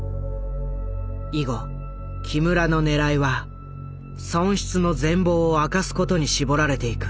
以後木村の狙いは損失の全貌を明かすことに絞られていく。